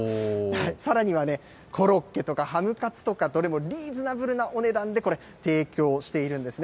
さらには、コロッケとかハムカツとか、どれもリーズナブルなお値段で提供しているんですね。